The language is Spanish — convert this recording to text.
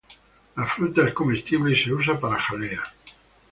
La fruta es comestible y se usa para jalea.